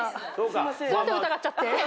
すいません疑っちゃって。